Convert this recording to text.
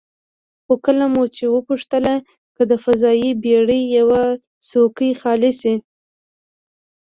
خو کله مو چې وپوښتله که د فضايي بېړۍ یوه څوکۍ خالي شي،